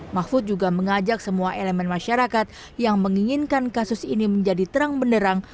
mahfud juga mengajak semua elemen masyarakat yang menginginkan kasus ini menjadi terang benderang